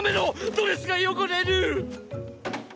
ドレスが汚れる！！